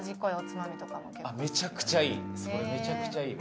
それめちゃくちゃいいわ。